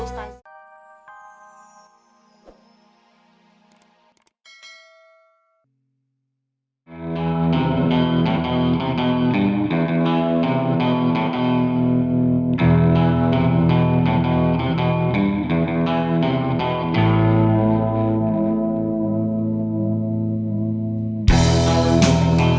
ntar dia ngerti